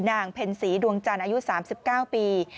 เพ็ญศรีดวงจันทร์อายุ๓๙ปี